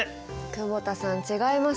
久保田さん違いますよ。